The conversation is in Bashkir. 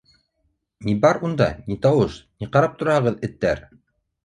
— Ни бар унда, ни тауыш, ни ҡарап тораһығыҙ, эттәр?